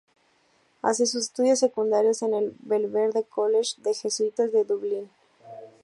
Hace sus estudios secundarios en el Belvedere College de los jesuitas de Dublín.